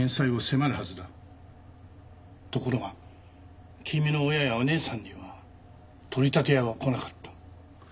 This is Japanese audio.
ところが君の親やお姉さんには取り立て屋は来なかった。